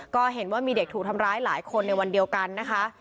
ก็เห็นว่ามีเด็กถูกทำร้ายหลายคนในวันเดียวกันนะคะ